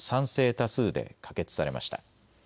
多数で可決されました。